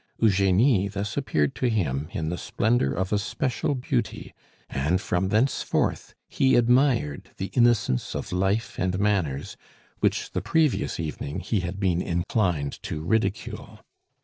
Eugenie thus appeared to him in the splendor of a special beauty, and from thenceforth he admired the innocence of life and manners which the previous evening he had been inclined to ridicule.